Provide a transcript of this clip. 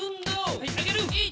はい上げる！